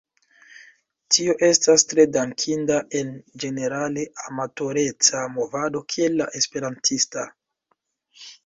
Tio estas tre dankinda en ĝenerale amatoreca movado kiel la esperantista.